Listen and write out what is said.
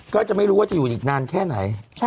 ก็จะไม่รู้ว่าจะอยู่อีกนานแค่ไหน